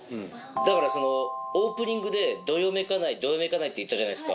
だからそのオープニングで「どよめかないどよめかない」って言ったじゃないですか。